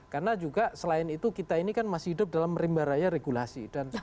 karena juga selain itu kita ini kan masih hidup dalam rimbaraya regulasi